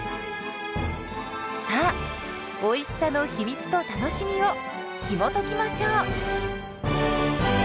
さあおいしさの秘密と楽しみをひもときましょう！